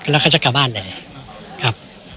แล้วเขาจะกลับบ้านเลยครับ